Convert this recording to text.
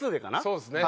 そうですね。